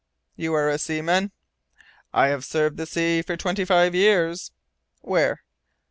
"You are a seaman?" "I have served the sea for twenty five years." "Where?"